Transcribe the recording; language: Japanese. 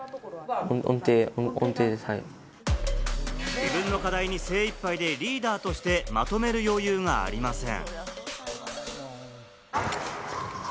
自分の課題に精一杯でリーダーとしてまとめる余裕がありません。